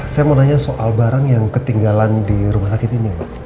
saya mau nanya soal barang yang ketinggalan di rumah sakit ini ya pak